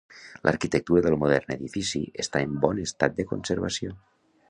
L'arquitectura del modern edifici està en bon estat de conservació.